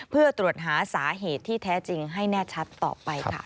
เพื่อตรวจหาสาเหตุที่แท้จริงให้แน่ชัดต่อไปค่ะ